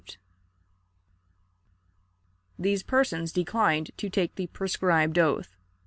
These persons declined to take the prescribed oath.